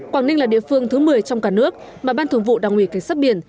quảng ninh là địa phương thứ một mươi trong cả nước mà ban thường vụ đảng ủy cảnh sát biển